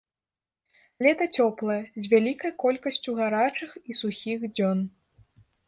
Лета цёплае, з вялікай колькасцю гарачых і сухіх дзён.